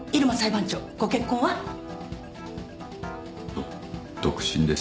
ど独身です。